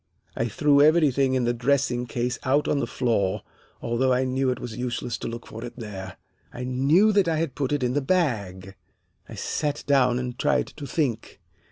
I threw everything in the dressing case out on the floor, although I knew it was useless to look for it there. I knew that I had put it in the bag. I sat down and tried to think.